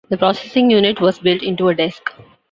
The processing unit was built into a desk.